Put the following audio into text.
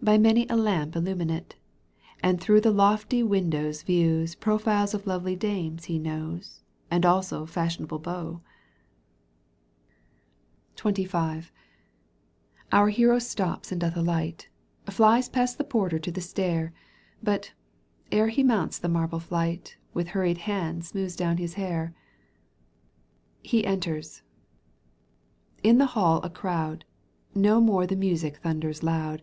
By many a lamp illuminate. And through the lofty windows views Profiles of lovely dames he knows And also fashionable beaux. XXV. Our hero stops and doth alight, Flies past the porter to the stair, Digitized by VjOOQ 1С <f^ 16 EUGENE ON^GUINE. canto i. But, ere he mounts the marble flight, With hurried hand smooths down his hair. He enters : in the hall a crowd, N^o more the music thunders loud.